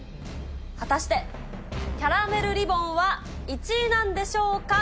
果たして、キャラメルリボンは１位なんでしょうか。